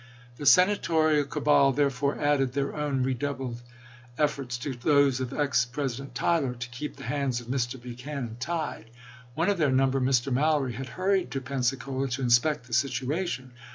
The Senatorial cabal therefore added their own redoubled efforts to those of ex President Tyler to "keep the hands of Mr. Buchanan tied." One of their number (Mr. Mallory) had hurried to Pensa cola to inspect the situation.